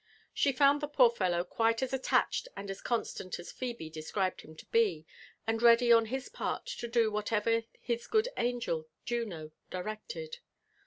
She found the poor fellow quite as attached and as constant as Phebe de ncribedhim to be, and ready on his part to do whatever his ^ood angel Juno directed.